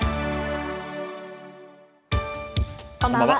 こんばんは。